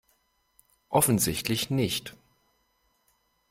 Offensichtlich nicht.